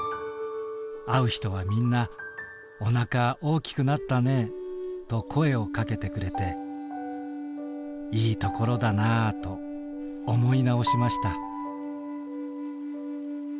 会う人はみんな『お腹大きくなったね』と声をかけてくれていいところだなぁと思い直しました」。